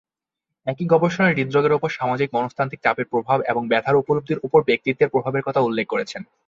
একই গবেষকরা হৃদয়ের উপর সামাজিক মনস্তাত্ত্বিক চাপের প্রভাব এবং ব্যথার উপলব্ধির উপর ব্যক্তিত্বের প্রভাবের কথা উল্লেখ করেছেন।